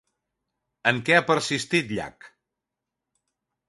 En què ha persistit Llach?